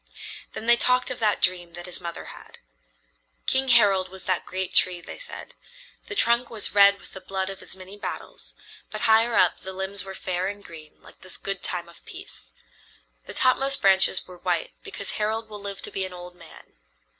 Then they talked of that dream that his mother had. "King Harald was that great tree," they said. "The trunk was red with the blood of his many battles, but higher up the limbs were fair and green like this good time of peace. The topmost branches were white because Harald will live to be an old man.